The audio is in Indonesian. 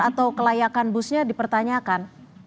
atau kelayakan busnya dipertanyakan